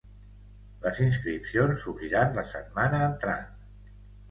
Les inscripcions s’obriran la setmana entrant.